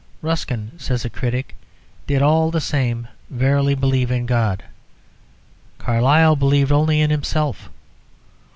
"Ruskin," says a critic, "did, all the same, verily believe in God; Carlyle believed only in himself."